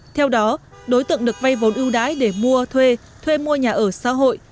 theo đó đối tượng được vay vốn ưu đãi để mua thuê thuê mua nhà ở xã hội